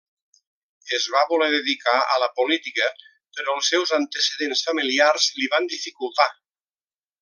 Es va voler dedicar a la política, però els seus antecedents familiars li van dificultar.